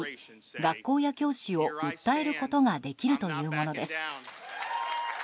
学校や教師を訴えることができるというものです。